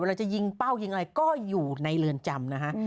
เราจะยิงเป้ายิงอะไรก็อยู่ในเรือนจำนะฮะ